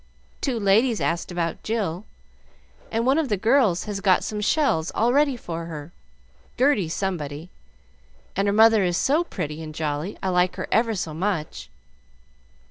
Two ladies asked about Jill, and one of the girls has got some shells all ready for her, Gerty Somebody, and her mother is so pretty and jolly, I like her ever so much.